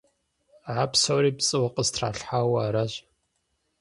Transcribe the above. А псори пцӀыуэ къыстралъхьауэ аращ.